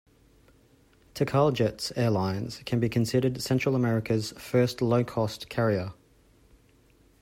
Tikal Jets Airlines can be considered Central America's first low cost carrier.